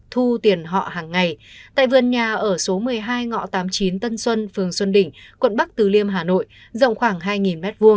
thu tiền họ hàng ngày tại vườn nhà ở số một mươi hai ngõ tám mươi chín tân xuân phường xuân đỉnh quận bắc từ liêm hà nội rộng khoảng hai m hai